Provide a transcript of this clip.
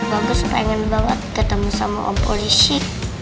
gua kesen pengen bawa ketemu sama om polisi